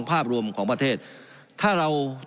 การปรับปรุงทางพื้นฐานสนามบิน